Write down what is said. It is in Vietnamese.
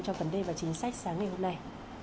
cho vấn đề và chính sách sáng ngày hôm nay